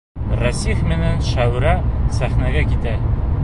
Рәсих менән Шәүрә сәхнәгә китә.